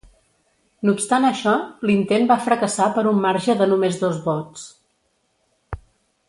No obstant això, l'intent va fracassar per un marge de només dos vots.